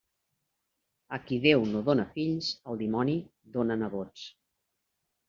A qui Déu no dóna fills, el dimoni dóna nebots.